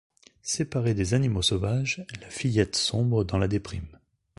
Séparée des animaux sauvages, la fillette sombre dans la déprime.